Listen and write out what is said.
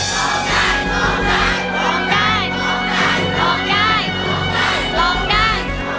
ร้องได้ร้องได้ร้องได้ร้องได้ร้องได้